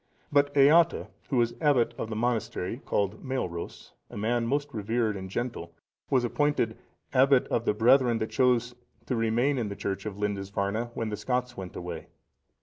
But Eata,(481) who was abbot of the monastery called Mailros,(482) a man most reverend and gentle, was appointed abbot over the brethren that chose to remain in the church of Lindisfarne, when the Scots went away.